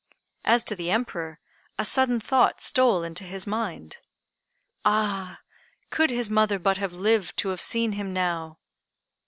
As to the Emperor, a sudden thought stole into his mind. "Ah! could his mother but have lived to have seen him now!"